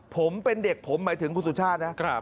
ผมเป็นเด็กผมหมายถึงคุณสุชาตินะ